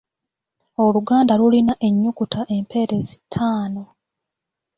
Oluganda lulina ennyukuta empeerezi ttaano.